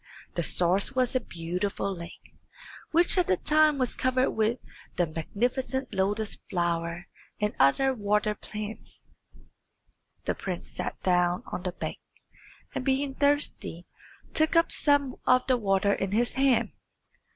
The source was a beautiful lake, which at that time was covered with the magnificent lotus flower and other water plants. The prince sat down on the bank, and being thirsty took up some of the water in his hand.